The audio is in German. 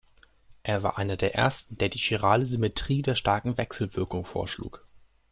Er war einer der ersten, der die chirale Symmetrie der starken Wechselwirkung vorschlug.